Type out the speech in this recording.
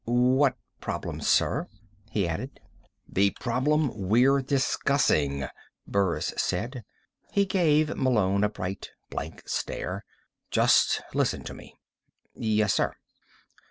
"What problem, sir?" he added. "The problem we're discussing," Burris said. He gave Malone a bright, blank stare. "Just listen to me." "Yes, sir."